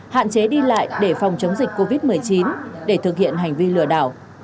hạn chế đi lại để phòng chống dịch covid một mươi chín để thực hiện hành vi lừa đảo